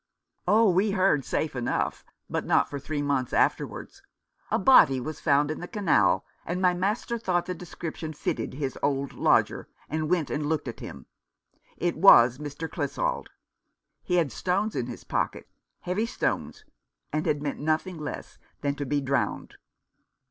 " Oh, we heard, safe enough ; but not for three months afterwards. A body was found in the 264 Mr. Pawnee continues. canal, and my master thought the description fitted his old lodger, and went and looked at him. It was Mr. Clissold. He had stones in his pockets — heavy stones, and had meant nothing less than to be drowned."